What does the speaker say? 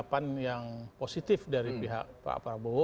tapi ada tanggapan yang positif dari pihak pak prabowo